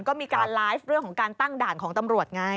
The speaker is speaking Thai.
ก็มีการไลฟ์เรื่องของการตั้งด่านของตำรวจไง